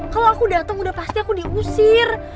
kalo aku dateng udah pasti aku diusir